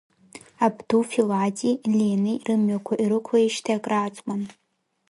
Абду Филати Ленеи рымҩақәа ирықәлеижьҭеи акрааҵуан.